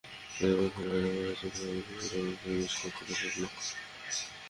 তবে এখনো রাজ্জাকের চোখে খেলছে আগামী বছর অনুষ্ঠেয় বিশ্বকাপ খেলার স্বপ্ন।